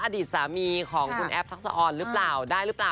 ดินแน่นำส่งการใครหรือเปล่า